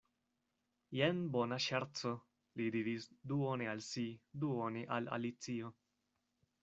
"Jen bona ŝerco," li diris, duone al si, duone al Alicio.